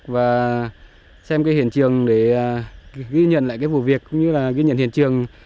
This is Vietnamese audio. và xem cái hiện trường để ghi nhận lại cái vụ việc cũng như là ghi nhận hiện trường